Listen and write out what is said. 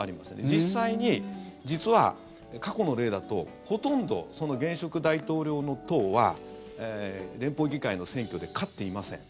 実際に実は過去の例だとほとんど、その現職大統領の党は連邦議会の選挙で勝っていません。